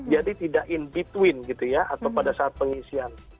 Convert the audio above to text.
jadi tidak in between gitu ya atau pada saat pengisian